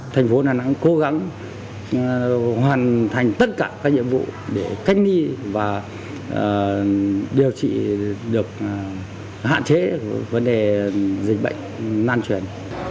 thành phố đà nẵng cố gắng hoàn thành tất cả các nhiệm vụ để cách ly và điều trị được hạn chế vấn đề dịch bệnh lan truyền